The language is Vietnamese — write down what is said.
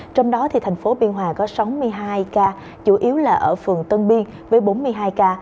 trong đó thành phố biên hòa có sáu mươi hai ca chủ yếu là ở phường tân biên với bốn mươi hai ca